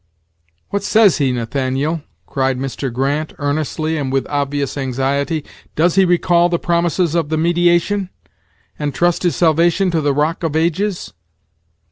"What says he, Nathaniel?" cried Mr. Grant, earnestly, and with obvious anxiety; "does he recall the promises of the mediation? and trust his salvation to the Rock of Ages?"